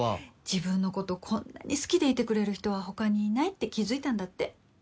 自分のことこんなに好きでいてくれる人は他にいないって気付いたんだって。